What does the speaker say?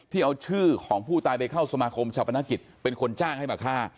เอาชื่อของผู้ตายไปเข้าสมาคมชาปนกิจเป็นคนจ้างให้มาฆ่า